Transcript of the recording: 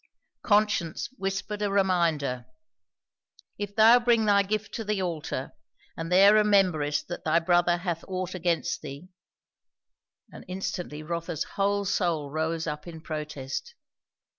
Conscience whispered a reminder "If thou bring thy gift to the altar, and there rememberest that thy brother hath ought against thee " And instantly Rotha's whole soul rose up in protest.